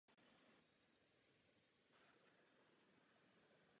Dosáhli jsme jen malého a slabého kompromisu.